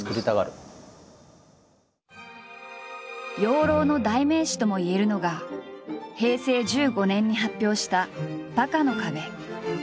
養老の代名詞ともいえるのが平成１５年に発表した「バカの壁」。